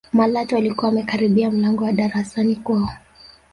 malatwa alikuwa amekaribia mlango wa darasani kwao